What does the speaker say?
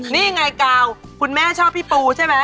นี่ไงกาวคุณแม่ชอบพี่ปูใช่ไหม